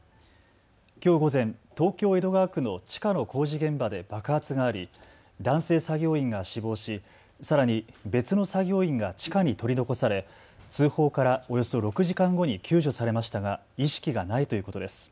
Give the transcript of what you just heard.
きょう午前、東京江戸川区の地下の工事現場で爆発があり男性作業員が死亡し、さらに別の作業員が地下に取り残され通報からおよそ６時間後に救助されましたが意識がないということです。